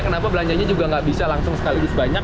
kenapa belanjanya juga nggak bisa langsung sekaligus banyak